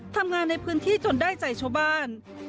ทำงานในพื้นที่จนได้ใจชาวบ้าน